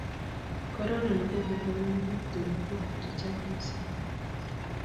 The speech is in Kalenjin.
korona ne kogon meet nebo bik chechang mising